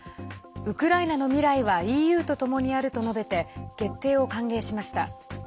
ウクライナの未来はＥＵとともにあると述べて決定を歓迎しました。